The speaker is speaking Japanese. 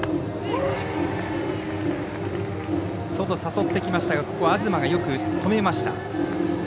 外、誘ってきましたが東がよく止めました。